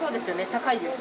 高いです。